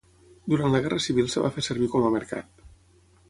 Durant la Guerra Civil es va fer servir com a mercat.